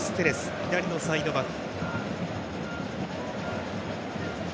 左サイドバック。